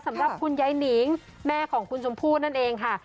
สำหรับคุณยายหนิงแม่ของคุณชมพู่นั่นเองค่ะ